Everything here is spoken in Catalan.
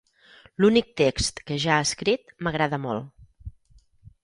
L'únic text que ja ha escrit m'agrada molt.